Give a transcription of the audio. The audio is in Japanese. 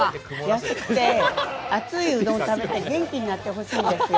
安くて熱いうどんを食べて元気になってほしいんですよ。